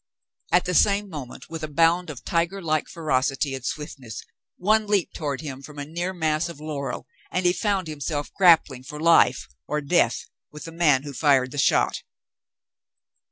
At the same moment, with a bound of tiger like ferocity and swiftness, one leaped toward him from a near mass of laurel, and he found himself grappling for life or death with the man who fired the shot.